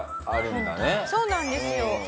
そうなんですよ。